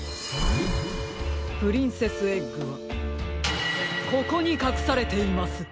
プリンセスエッグはここにかくされています！